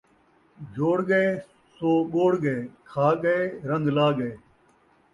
جوڑ ڳئے سو ٻوڑ ڳئے، کھا ڳئے رنگ لا ڳئے